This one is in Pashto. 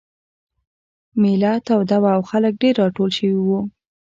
مېله توده وه او خلک ډېر راټول شوي وو.